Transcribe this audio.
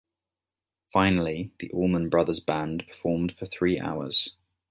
Finally, the Allman Brothers Band performed for three hours.